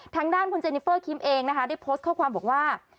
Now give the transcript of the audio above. ทางด้านคุณเจนิเฟอร์คิมเองนะคะได้โพสต์ข้อความบอกว่า